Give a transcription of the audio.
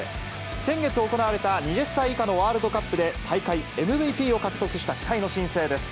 先月行われた２０歳以下のワールドカップで大会ＭＶＰを獲得した期待の新星です。